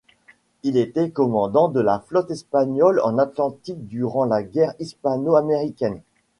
Il était commandant de la flotte espagnole en Atlantique durant la guerre hispano-américaine.